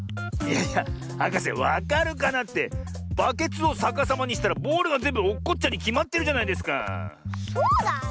いやいやはかせ「わかるかな？」ってバケツをさかさまにしたらボールがぜんぶおっこっちゃうにきまってるじゃないですかあ。